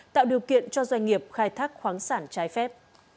tạo điều kiện cho doanh nghiệp khai thác khoáng sản trái phép